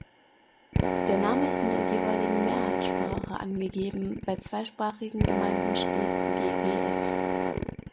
Der Name ist in der jeweiligen Mehrheitssprache angegeben, bei zweisprachigen Gemeinden steht ggf.